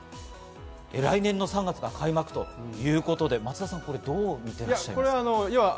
来年の３月が開幕ということで松田さん、どう見ていらっしゃいますか？